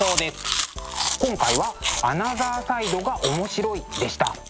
今回は「アナザーサイドがおもしろい！」でした。